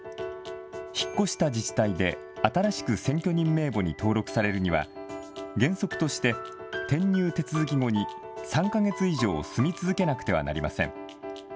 引っ越した自治体で新しく選挙人名簿に登録されるには、原則として、転入手続き後に３か月以上住み続けなくてはなりません。